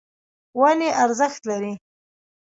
ونې ارزښت لري.